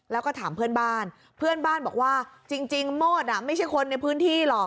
แล้วก็ถามเพื่อนบ้านเพื่อนบ้านบอกว่าจริงโมดไม่ใช่คนในพื้นที่หรอก